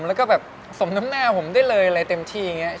แล้วก็สมดำหน้าผมได้เลยเต็มที่